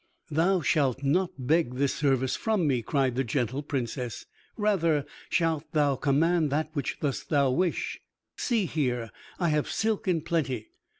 "Thou shalt not beg this service from me," cried the gentle Princess, "rather shalt thou command that which thou dost wish. See, here have I silk in plenty.